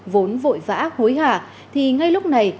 vốn vội vã hối hả thì ngay lúc này